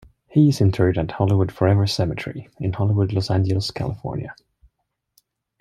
He is interred at Hollywood Forever Cemetery in Hollywood, Los Angeles, California.